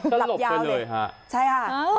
ก็หลบไปเลยค่ะใช่่่าอ้าว